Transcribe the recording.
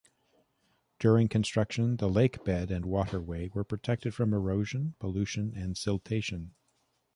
During construction, the lake bed and waterway were protected from erosion, pollution and siltation.